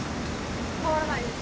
変わらないです。